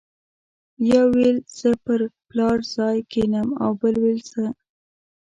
یو ویل زه پر پلار ځای کېنم او بل ویل زه.